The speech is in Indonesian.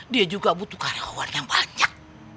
dia juga butuh karyawan yang banyak